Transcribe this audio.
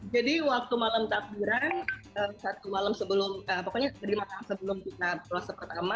jadi waktu malam takbiran satu malam sebelum pokoknya lima tahun sebelum kita berpuasa pertama